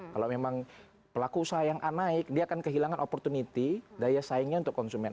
kalau memang pelaku usaha yang a naik dia akan kehilangan opportunity daya saingnya untuk konsumen